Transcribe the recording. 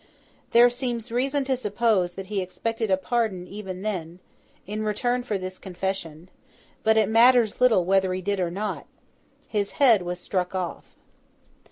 There seems reason to suppose that he expected a pardon even then, in return for this confession; but it matters little whether he did or not. His head was struck off.